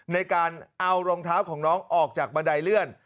ในการเอารองเท้าของน้องออกจากบันไดเลื่อน